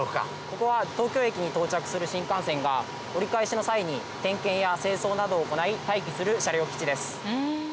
ここは東京駅に到着する新幹線が折り返しの際に点検や清掃などを行い待機する車両基地です。